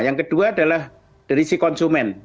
yang kedua adalah dari si konsumen